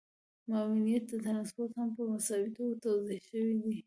معاونيتي ټرانسپورټ هم په مساوي توګه توزیع شوی دی